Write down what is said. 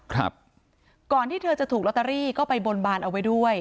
ครับก่อนที่เธอจะถูกลอตเตอรี่ก็ไปบนบานเอาไว้ด้วย